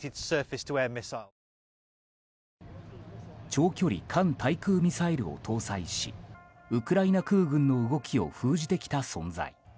長距離艦対空ミサイルを搭載しウクライナ空軍の動きを封じてきた存在。